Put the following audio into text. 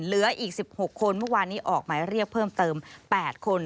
เหลืออีก๑๖คนเมื่อวานนี้ออกหมายเรียกเพิ่มเติม๘คน